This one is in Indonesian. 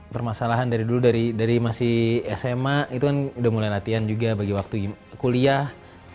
permasalahan dari dulu dari masih sma itu kan udah mulai latihan juga bagi waktu kuliah